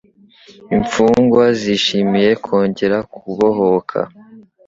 Imfungwa zishimiye kongera kubohoka.